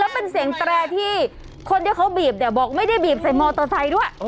เป็นเสียงแตรที่คนที่เขาบีบเนี่ยบอกไม่ได้บีบใส่มอเตอร์ไซค์ด้วย